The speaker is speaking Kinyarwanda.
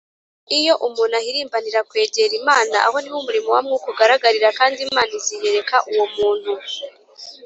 . Iyo umuntu ahirimbanira kwegera Imana, aho niho umurimo wa Mwuka ugaragarira, kandi Imana iziyereka uwo muntu